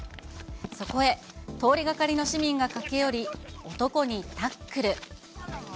そこへ、通りがかりの市民が駆け寄り、男にタックル。